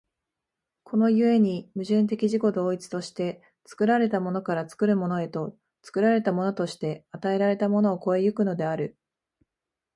この故に矛盾的自己同一として、作られたものから作るものへと、作られたものとして与えられたものを越え行くのである。